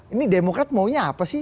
ini demokrat maunya apa sih